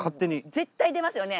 絶対出ますよね。